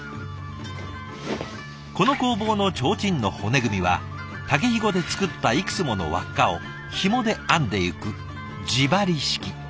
この工房の提灯の骨組みは竹ひごで作ったいくつもの輪っかをひもで編んでいく地張り式。